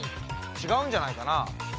ちがうんじゃないかな？